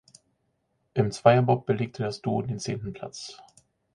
Im Zweierbob belegte das Duo den zehnten Platz.